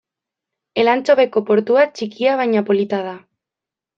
Elantxobeko portua txikia baina polita da.